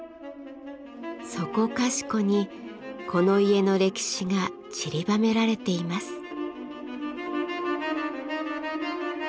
そこかしこにこの家の歴史がちりばめられています。